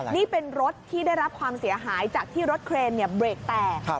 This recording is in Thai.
นี่เป็นรถที่ได้รับความเสียหายจากที่รถเครนเบรกแตก